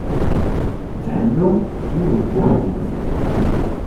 D ḥellu n yiwen n ukrif.